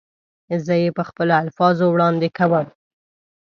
زه یې په خپلو الفاظو وړاندې کوم.